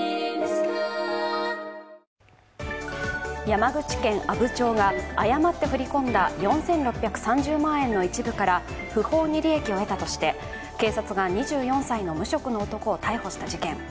山口県阿武町が誤って振り込んだ４６３０万円の一部から不法に利益を得たとして、警察が２４歳の無職の男を逮捕した事件。